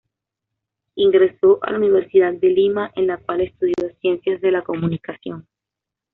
Ingresó a la Universidad de Lima, en la cual estudió Ciencias de la Comunicación.